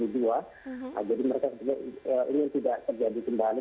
jadi mereka ingin tidak terjadi kembali